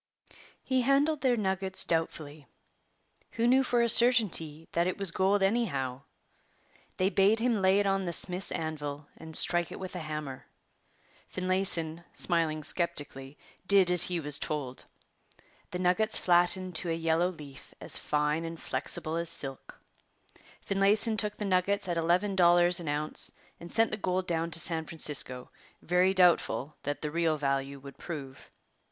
He handled their nuggets doubtfully. Who knew for a certainty that it was gold anyhow? They bade him lay it on the smith's anvil and strike it with a hammer. Finlayson, smiling sceptically, did as he was told. The nuggets flattened to a yellow leaf as fine and flexible as silk. Finlayson took the nuggets at eleven dollars an ounce and sent the gold down to San Francisco, very doubtful what the real value would prove.